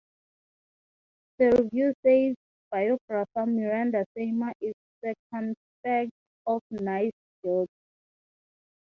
The review says biographer Miranda Seymour is "circumspect on Nice's guilt".